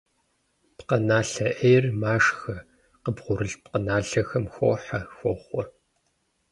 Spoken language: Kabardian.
Пкъыналъэ «Ӏейр» машхэ, къыбгъурылъ пкъыналъэхэм хохьэ, хохъуэ.